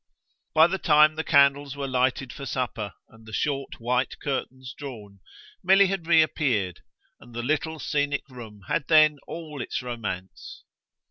By the time the candles were lighted for supper and the short white curtains drawn Milly had reappeared, and the little scenic room had then all its romance.